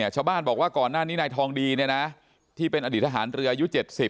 ชาวบ้านบอกว่าก่อนหน้านี้นายทองดีที่เป็นอดีตทหารเรืออายุ๗๐